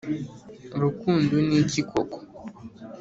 urukundo ni iki koko?